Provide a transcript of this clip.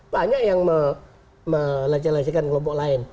banyak yang meleceh lecekan kelompok lain